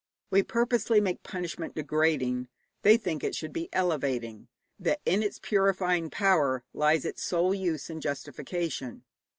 We purposely make punishment degrading; they think it should be elevating, that in its purifying power lies its sole use and justification.